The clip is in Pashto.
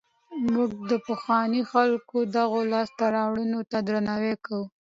موږ د پخوانیو خلکو دغو لاسته راوړنو ته درناوی کوو.